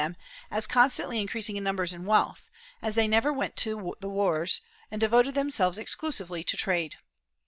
342 MORISCOS [Book VIH as constantly increasing in numbers and wealth, as they never went to the wars and devoted themselves exclusively to trade.